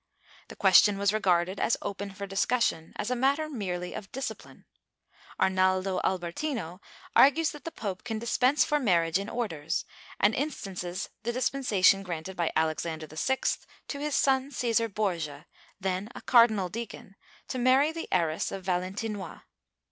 The c^uestion was regarded as open for discussion, as a matter merely of discipline; Arnaldo Albertino argues that the pope can dispense for marriage in orders, and instances the dispensation granted by Alexander VI to his son Caesar Borgia, then a cardinal deacon, to marry the heiress of Valentinois.